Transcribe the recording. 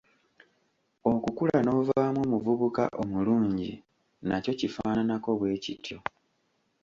Okukula n'ovaamu omuvubuka omulungi nakyo kifaananako bwe kityo.